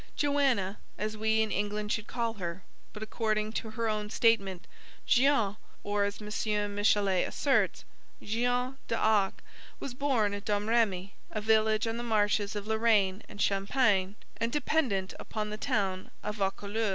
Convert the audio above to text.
Joanna, as we in England should call her, but, according to her own statement, Jeanne (or, as M. Michelet asserts, Jean) d'Arc, was born at Domrémy, a village on the marshes of Lorraine and Champagne, and dependent upon the town of Vaucouleurs.